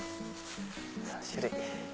３種類。